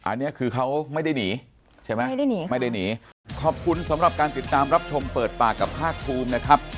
อันนี้คือเขาไม่ได้หนีใช่ไหม